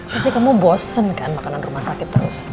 pasti kamu bosen kan makanan rumah sakit terus